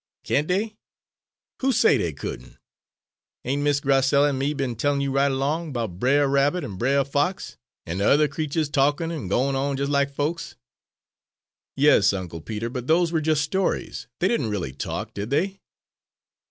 "Can't dey? Hoo said dey couldn'? Ain't Miss Grac'ella an' me be'n tellin' you right along 'bout Bre'r Rabbit and Bre'r Fox an de yuther creturs talkin' an' gwine on jes' lak folks?" "Yes, Uncle Peter, but those were just stories; they didn't really talk, did they?"